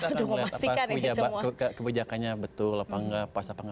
kita melihat apa kebijakannya betul apa enggak